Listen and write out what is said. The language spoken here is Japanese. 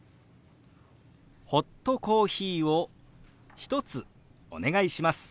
「ホットコーヒーを１つお願いします」。